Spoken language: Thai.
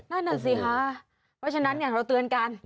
นั่นน่ะสิคะเพราะฉะนั้นอย่างเราเตือนกัน